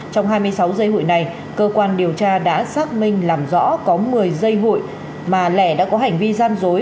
trong hai mươi sáu giây hụi này cơ quan điều tra đã xác minh làm rõ có một mươi dây hụi mà lẻ đã có hành vi gian dối